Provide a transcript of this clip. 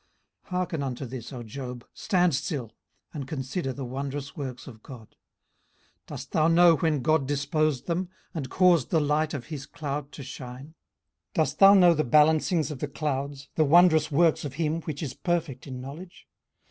18:037:014 Hearken unto this, O Job: stand still, and consider the wondrous works of God. 18:037:015 Dost thou know when God disposed them, and caused the light of his cloud to shine? 18:037:016 Dost thou know the balancings of the clouds, the wondrous works of him which is perfect in knowledge?